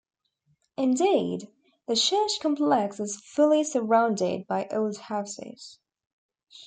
Indeed, the church complex was fully surrounded by old houses.